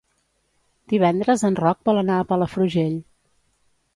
Divendres en Roc vol anar a Palafrugell.